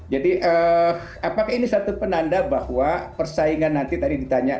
jadi apakah ini satu penanda bahwa persaingan nanti tadi ditanya